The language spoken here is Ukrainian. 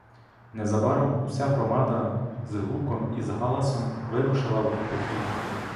Незабаром уся громада з гуком і з галасом вирушила в похід.